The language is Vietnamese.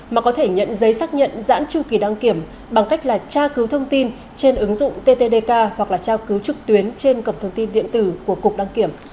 mà có thể nhận giấy xác nhận dãn chu kỳ đăng kiểm bằng cách tra cứu thông tin trên ứng dụng ttdk hoặc tra cứu trực tuyến trên cổng thông tin điện tử của cục đăng kiểm